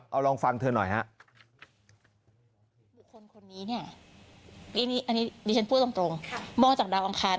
เอาลองฟังเธอหน่อยฮะ